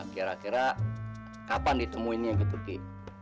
kira kira kapan ditemuinnya gitu ki